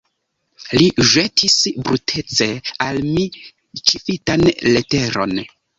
Li ĵetis brutece al mi ĉifitan leteron.